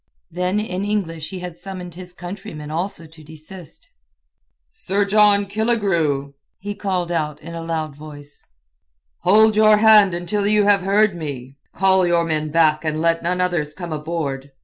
Then in English he had summoned his countrymen also to desist. "Sir John Killigrew!" he called in a loud voice. "Hold your hand until you have heard me! Call your men back and let none others come aboard!